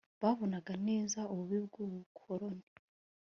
babonaga neza ububi bw'ubukoloni